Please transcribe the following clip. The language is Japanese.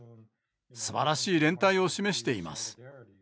すばらしい連帯を示しています。